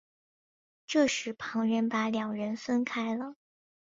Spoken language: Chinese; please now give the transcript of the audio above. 这时旁人把两人分开了。